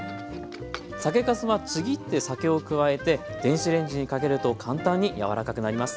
酒かすはちぎって酒を加えて電子レンジにかけると簡単に柔らかくなります。